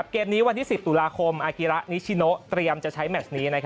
เกมนี้วันที่๑๐ตุลาคมอากิระนิชิโนเตรียมจะใช้แมชนี้